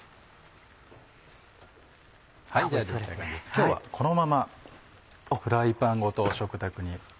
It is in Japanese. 今日はこのままフライパンごと食卓に。